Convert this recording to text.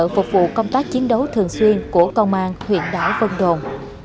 phục vụ công tác chiến đấu thường xuyên của công an huyện đảo vân đồn